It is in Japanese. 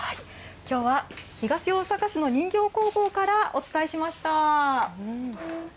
きょうは東大阪市の人形工房からお伝えしました。